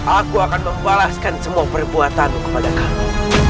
aku akan membalaskan semua perbuatanmu kepada kami